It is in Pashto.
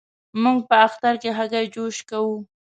موږ په اختر کې هګی جوش کوو.